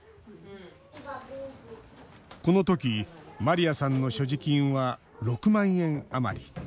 このとき、マリアさんの所持金は６万円余り。